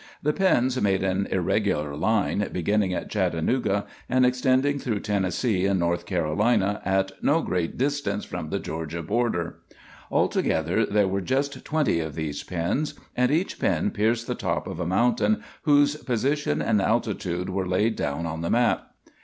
The pins made an irregular line, beginning at Chattanooga, and extending through Tennessee and North Carolina at no great distance from the Georgia border. Altogether there were just twenty of these pins, and each pin pierced the top of a mountain whose position and altitude were laid down on the map.